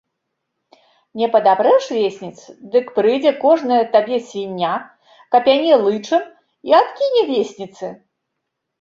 Не падапрэш весніц, дык прыйдзе кожная табе свіння, капяне лычам і адкіне весніцы.